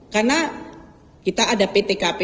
karena kita ada ptkp